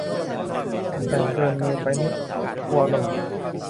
มันใหญ่เกินมือไปนิด กลัวหล่น